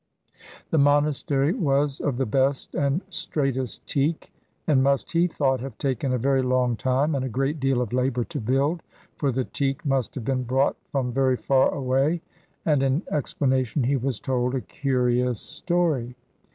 The monastery was of the best and straightest teak, and must, he thought, have taken a very long time and a great deal of labour to build, for the teak must have been brought from very far away; and in explanation he was told a curious story.